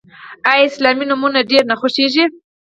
آیا اسلامي نومونه ډیر نه خوښیږي؟